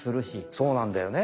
そうなんだよね。